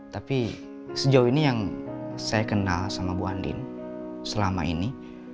tapi sejauh ini yang saya kenal sama bu andin selama ini